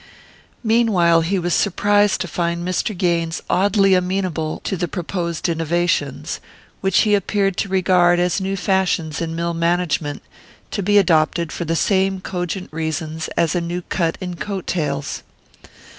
Meanwhile he was surprised to find Mr. Gaines oddly amenable to the proposed innovations, which he appeared to regard as new fashions in mill management, to be adopted for the same cogent reasons as a new cut in coat tails.